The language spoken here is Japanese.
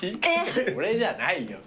俺じゃないよ。